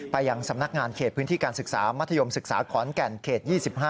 ยังสำนักงานเขตพื้นที่การศึกษามัธยมศึกษาขอนแก่นเขต๒๕